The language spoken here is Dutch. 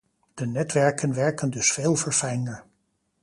De netwerken werken dus veel verfijnder.